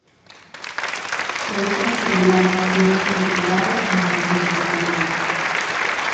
Seis australianos fueron condecorados con la Cruz Victoria.